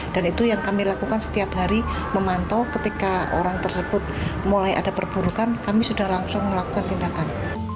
itu yang kami lakukan setiap hari memantau ketika orang tersebut mulai ada perburukan kami sudah langsung melakukan tindakan